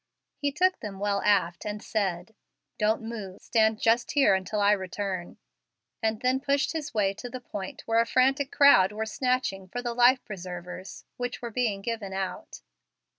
He took them well aft, and said, "Don't move; stand just here until I return," and then pushed his way to the point where a frantic crowd were snatching for the life preservers which were being given out.